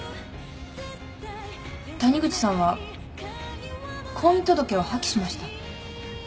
谷口さんは婚姻届を破棄しました。